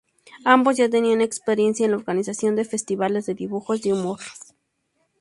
Ambos ya tenían experiencia en la organización de festivales de dibujos de humor.